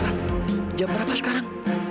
sekarang berapa jam